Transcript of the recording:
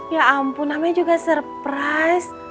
ya ampun namanya juga surprise